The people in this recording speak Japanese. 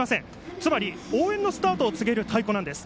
つまり、応援のスタートを告げる太鼓なんです。